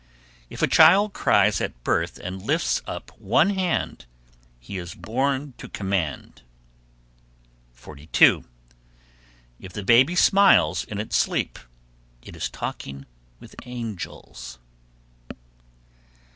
If a child cries at birth and lifts up one hand, he is born to command. 42. If the baby smiles in its sleep, it is talking with angels.